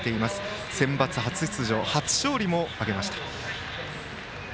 センバツ初出場で初勝利も挙げました。